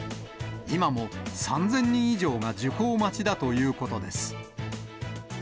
今も３０００人以上が受講待ちだということです。